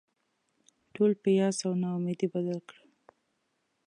ټول په یاس او نا امیدي بدل کړل.